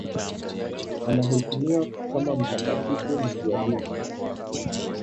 Anaheshimiwa kama mtakatifu mfiadini.